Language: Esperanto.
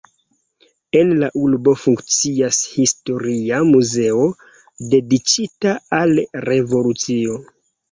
En la urbo funkcias historia muzeo dediĉita al revolucio.